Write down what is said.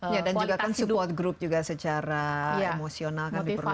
ya dan juga kan support group juga secara emosional kan diperlukan